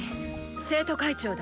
生徒会長だ。